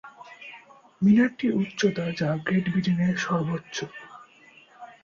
মিনারটির উচ্চতা যা গ্রেট ব্রিটেনে সর্বোচ্চ।